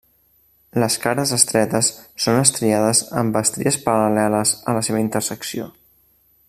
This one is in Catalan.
Les cares estretes són estriades amb estries paral·leles a la seva intersecció.